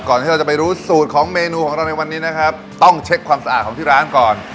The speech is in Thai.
ที่เราจะไปรู้สูตรของเมนูของเราในวันนี้นะครับต้องเช็คความสะอาดของที่ร้านก่อน